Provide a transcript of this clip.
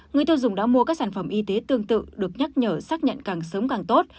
người tiêu dùng đã mua các sản phẩm y tế tương tự được nhắc nhở xác nhận càng sớm càng tốt